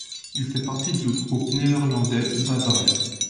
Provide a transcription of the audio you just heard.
Il fait partie du groupe néerlandais Bavaria.